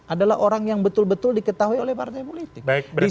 adalah orang yang betul betul diketahui oleh partai politik